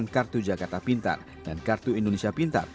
harus diam kan biasa